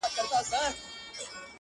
چي خپل دي راسي په وطن کي دي ښارونه سوځي-